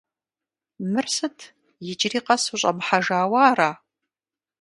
Мыр сыт, иджыри къэс ущӀэмыхьэжауэ ара?